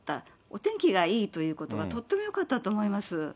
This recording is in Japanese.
お天気がいいということがとってもよかったと思います。